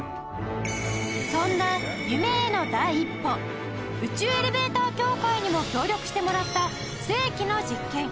そんな宇宙エレベーター協会にも協力してもらった世紀の実験